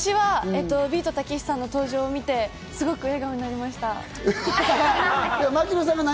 私はビートたけしさんの登場を見て、すごく笑顔になりました。